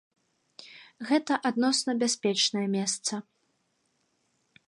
Гэта адносна бяспечнае месца.